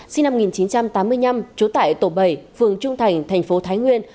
sinh năm một nghìn chín trăm tám mươi năm trú tại tổ bảy phường trung thành thành phố thái nguyên